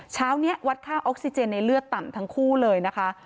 เช้านี้วัดค่าออกซิเจนในเลือดต่ำทั้งคู่เลยนะคะ